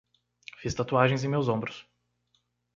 Fiz tatuagens em meus ombros